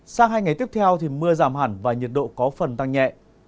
sang hai ngày tiếp theo thì mưa giảm hẳn và nhiệt độ có phần tăng nhẹ